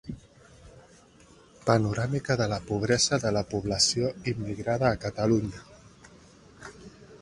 Panoràmica de la pobresa de la població immigrada a Catalunya.